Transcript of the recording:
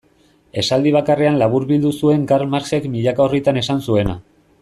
Esaldi bakarrean laburbildu zuen Karl Marxek milaka orritan esan zuena.